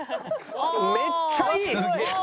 めっちゃいい！